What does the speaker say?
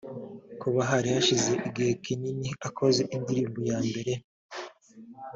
Kuba hari hari hashize igihe kinini akoze indirimbo ya mbere